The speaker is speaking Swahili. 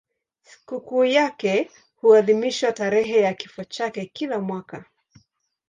Sikukuu yake huadhimishwa tarehe ya kifo chake kila mwaka.